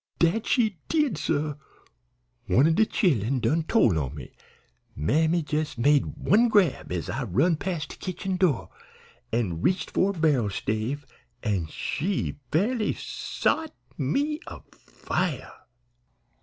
"Dat she did, suh. One o' de chillen done tole on me. Mammy jes' made one grab as I run pas' de kitchen door, an' reached for a barrel stave, an' she fairly sot me afire!"